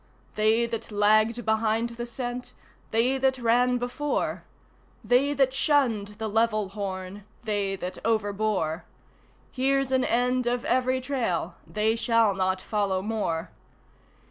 They that lagged behind the scent they that ran before, They that shunned the level horn they that overbore. Here's an end of every trail they shall not follow more.